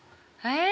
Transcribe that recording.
え！